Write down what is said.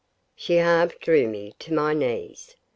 She half drew me to my knees.